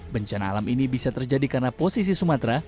bencana alam ini bisa terjadi karena posisi sumatera